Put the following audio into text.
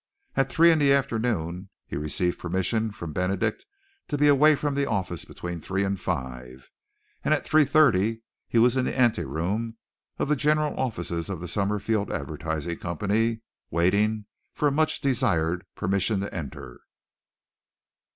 At three in the afternoon he received permission from Benedict to be away from the office between three and five, and at three thirty he was in the anteroom of the general offices of the Summerfield Advertising Company, waiting for a much desired permission to enter.